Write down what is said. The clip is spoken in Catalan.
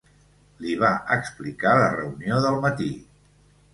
Li va explicar la reunió del matí.